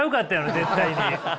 絶対に！